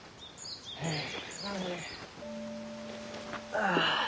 ああ。